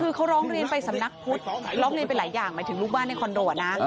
คือเขาร้องเรียนไปสำนักพุทธร้องเรียนไปหลายอย่างหมายถึงลูกบ้านในคอนโดนะ